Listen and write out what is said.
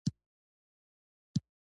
په اول کې به جرګې ته نه کېناستې .